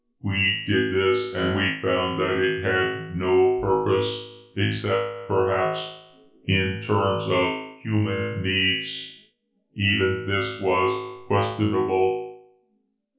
We did this, and we found that it had no purpose, except, perhaps, in terms of human needs. Even this was questionable.